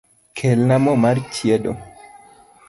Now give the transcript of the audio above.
Kelna mo mar chiedo